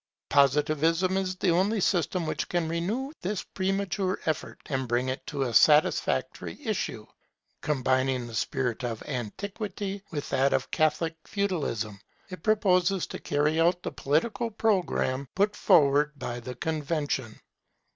Positivism is the only system which can renew this premature effort and bring it to a satisfactory issue. Combining the spirit of antiquity with that of Catholic Feudalism, it proposes to carry out the political programme put forward by the Convention.